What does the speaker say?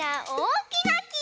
おおきなき！